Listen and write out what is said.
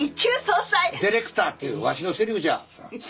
ディレクターっていうわしのせりふじゃ。